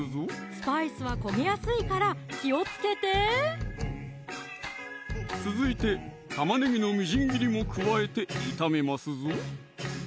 スパイスは焦げやすいから気をつけて続いて玉ねぎのみじん切りも加えて炒めますぞ